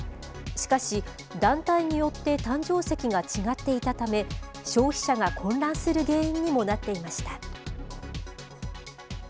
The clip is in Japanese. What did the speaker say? しかし、団体によって誕生石が違っていたため、消費者が混乱する原因にもなっていました。